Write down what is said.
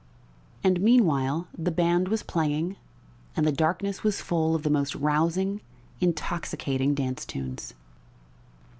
And meanwhile the band was playing and the darkness was full of the most rousing, intoxicating dance tunes.